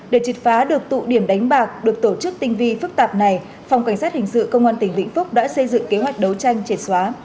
để triệt phá được tụ điểm đánh bạc được tổ chức tinh vi phức tạp này phòng cảnh sát hình sự công an tỉnh vĩnh phúc đã xây dựng kế hoạch đấu tranh triệt xóa